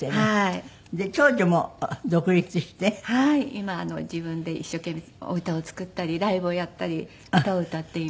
今自分で一生懸命お歌を作ったりライブをやったり歌を歌っています。